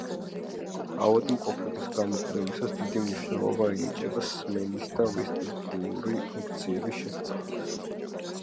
ავადმყოფების გამოკვლევისას დიდი მნიშვნელობა ენიჭება სმენისა და ვესტიბულური ფუნქციების შესწავლას.